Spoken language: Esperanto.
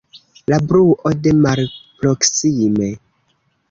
La bruo de malproksime.